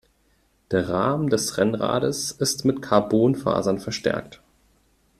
Der Rahmen des Rennrades ist mit Carbonfasern verstärkt.